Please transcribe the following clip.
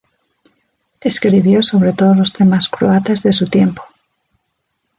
Escribió sobre todos los temas croatas de su tiempo.